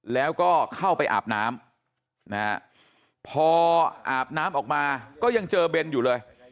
แล้วก็เข้าไปอาบน้ำนะฮะพออาบน้ำออกมาก็ยังเจอเบนอยู่เลย